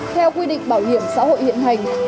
theo quy định bảo hiểm xã hội hiện hành